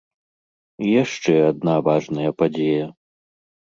І яшчэ адна важная падзея.